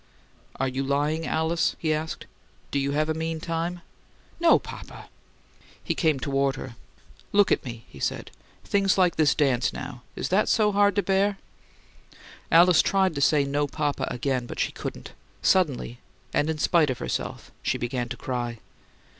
"Are you lying, Alice?" he asked. "Do you have a mean time?" "No, papa." He came toward her. "Look at me!" he said. "Things like this dance now is that so hard to bear?" Alice tried to say, "No, papa," again, but she couldn't. Suddenly and in spite of herself she began to cry.